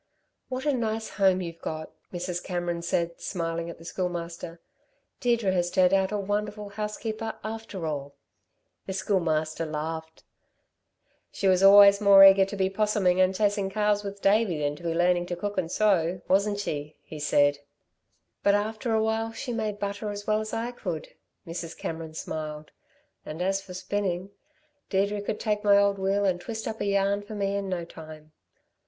"What a nice home you've got," Mrs. Cameron said, smiling at the Schoolmaster. "Deirdre has turned out a wonderful housekeeper after all." The Schoolmaster laughed. "She was always more eager to be 'possuming and chasing calves with Davey than to be learning to cook and sew, wasn't she?" he said. "But after a while she made butter as well as I could." Mrs. Cameron smiled. "And as for spinning, Deirdre could take my old wheel and twist up a yarn for me in no time.